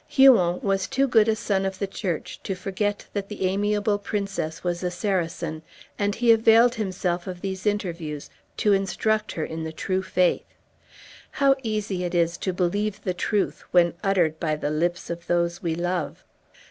Huon was too good a son of the Church to forget that the amiable princess was a Saracen, and he availed himself of these interviews to instruct her in the true faith. How easy it is to believe the truth when uttered by the lips of those we love!